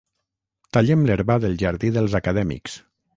Tallem l'herba del jardí dels acadèmics.